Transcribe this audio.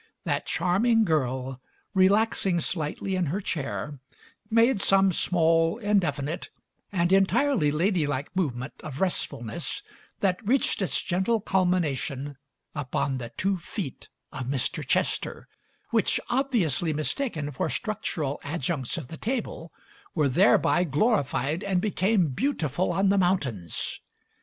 That charming girl, relaxing slightly in her chair, made some small, indefinite, and entirely ladylike movement of restfulness that reached its gentle culmination upon the two feet of Mr. Chester which, obviously mistaken for structural adjuncts of the table, were thereby glorified and became beautiful on the mountains.